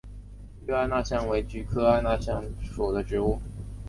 绿艾纳香为菊科艾纳香属的植物。